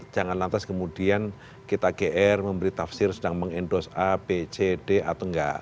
jangan lantas kemudian kita gr memberi tafsir sedang mengendos a b c d atau enggak